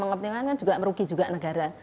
pengoptimalkan juga merugi juga negara